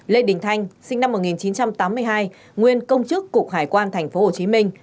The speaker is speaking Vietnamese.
lê đình thanh sinh năm một nghìn chín trăm tám mươi hai nguyên công chức cục hải quan tp hcm